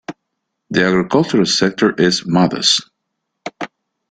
The agricultural sector is modest.